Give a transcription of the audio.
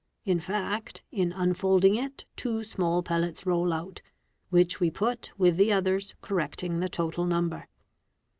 In fact, in unfolding it two small pellets roll out, which we put with the others, correcting the total number.